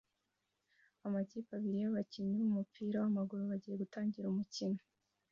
Amakipe abiri yabakinnyi bumupira wamaguru bagiye gutangira umukino